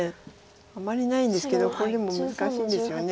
あまりないんですけどこれでも難しいですよね